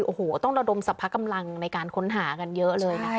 โอ้โหต้องระดมสรรพกำลังในการค้นหากันเยอะเลยนะคะ